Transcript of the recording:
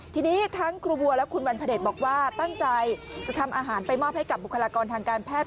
ทีนี้ทั้งครูบัวและคุณวันพระเด็จบอกว่าตั้งใจจะทำอาหารไปมอบให้กับบุคลากรทางการแพทย์